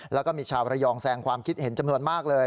แล้วก็มีชาวระยองแสงความคิดเห็นจำนวนมากเลย